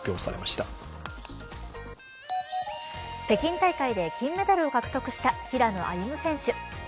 北京大会で金メダルを獲得した平野歩夢選手。